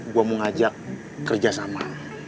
gua mau ngajak kerja sama